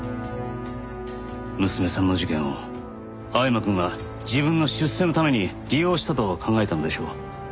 娘さんの事件を青山くんが自分の出世のために利用したと考えたのでしょう。